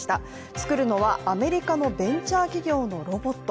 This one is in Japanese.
作るのはアメリカのベンチャー企業のロボット。